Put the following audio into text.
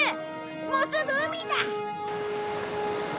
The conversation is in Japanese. もうすぐ海だ！